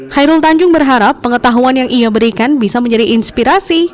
khairul tanjung berharap pengetahuan yang ia berikan bisa menjadi inspirasi